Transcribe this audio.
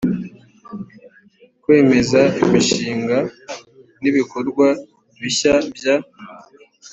kwemeza imishinga n ibikorwa bishya bya